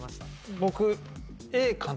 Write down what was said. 僕Ａかな。